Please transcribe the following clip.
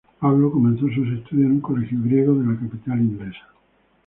Pablo comenzó sus estudios en un colegio griego de la capital inglesa.